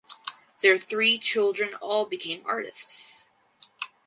Their three children all became artists.